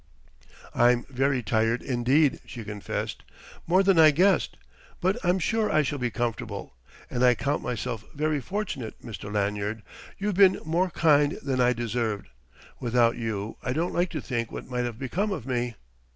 "I'm very tired indeed," she confessed "more than I guessed. But I'm sure I shall be comfortable.... And I count myself very fortunate, Mr. Lanyard. You've been more kind than I deserved. Without you, I don't like to think what might have become of me...."